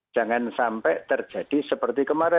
jangan sampai terjadi seperti kemarin